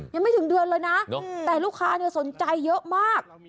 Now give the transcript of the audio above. ยังไม่ถึงเดือนเลยนะแต่ลูกค้าสนใจเยอะมาก